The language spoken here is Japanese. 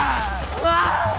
うわ！